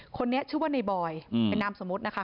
คนนี้ชื่อว่าในบอยเป็นนามสมมุตินะคะ